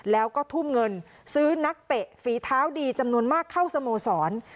แล้วก็ทุ่มเงินซื้อนักเตะฝีเท้าดีจำนวนมากเข้าสโมสร